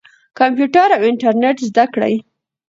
کمپیوټر او انټرنیټ زده کړئ.